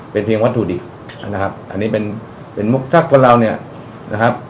เป็นเพียงวัตถุดิบนะครับอันนี้เป็นเป็นมุกจักคนเราเนี่ยนะครับ